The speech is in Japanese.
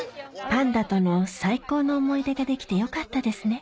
パンダとの最高の思い出ができてよかったですね